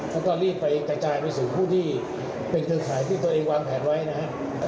แล้วก็รีบไปกระจายไปสู่ผู้ที่เป็นเครือข่ายที่ตัวเองวางแผนไว้นะครับ